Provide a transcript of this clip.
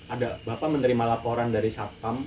ada bapak menerima laporan dari satpam